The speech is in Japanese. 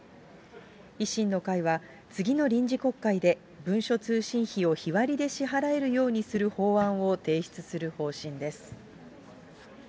維新の会は、次の臨時国会で文書通信費を日割りで支払えるようにする法案を提出する方針です。